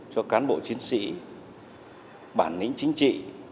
cho cán bộ chiến sĩ bản lĩnh chính trị